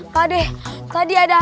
pak deh tadi ada